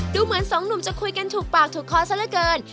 ดูเหมือนสองหนุ่มจะคุยกันถูกปากถูกคอซะละเกิน